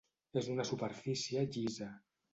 És una superfície llisa.